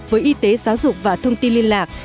với y tế giáo dục và thông tin liên lạc